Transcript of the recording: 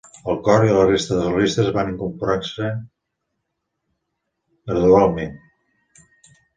El cor i la resta de solistes van incorporant-se gradualment.